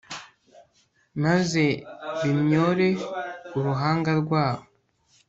maze bimyore uruhanga rwabo